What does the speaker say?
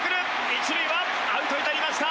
一塁はアウトになりました。